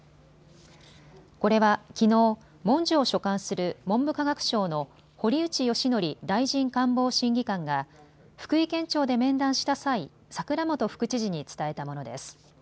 これは、きのうもんじゅを所管する文部科学省の堀内義規大臣官房審議官が福井県庁で面談した際、櫻本副知事に伝えたものです。